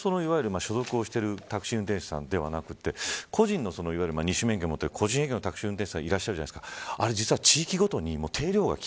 立岩さん、会社に所属をしているタクシー運転手さんではなくて個人の２種免許を持っている個人営業のタクシー運転手さんがいらっしゃるじゃないですか。